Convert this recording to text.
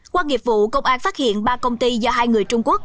qua nghiệp vụ công an phát hiện ba công ty do hai người trung quốc